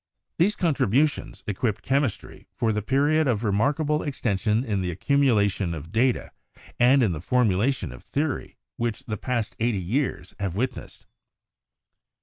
These contributions equipped chemistry for the period of remarkable extension in the accumulation of data and in the formulation of theory which the past eighty years have witnessed.